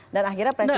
dan akhirnya presiden